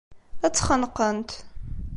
Ad tt-xenqent.